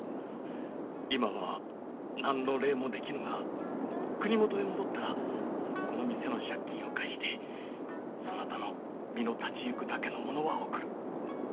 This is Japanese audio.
今は何の礼も出来ぬが国元へ戻ったらこの店の借金を返してそなたの身の立ちいくだけの物は送る。